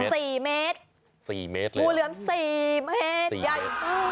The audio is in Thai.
สี่เมตรสี่เมตรเลยหูเหลือสี่เมตรสี่เมตร